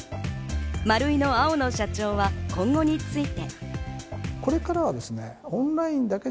マルイの青野社長は今後について。